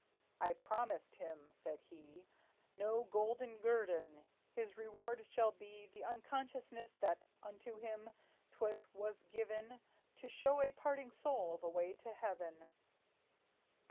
"I promise him," said he, "No golden guerdon; his reward shall be The consciousness that unto him 't was given To show a parting soul the way to heaven!"